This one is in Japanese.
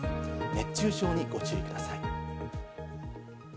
熱中症にご注意ください。